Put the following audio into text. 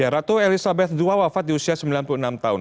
ratu elizabeth ii wafat di usia sembilan puluh enam tahun